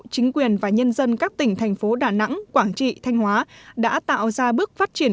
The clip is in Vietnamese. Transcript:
chính quyền và nhân dân các tỉnh thành phố đà nẵng quảng trị thanh hóa đã tạo ra bước phát triển